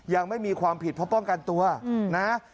ยังไม่มีความผิดเพราะป้องกันตัวนะ